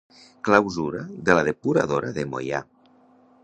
Clausura de la depuradora de Moià.